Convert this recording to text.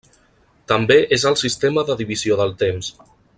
També és el sistema de divisió del temps.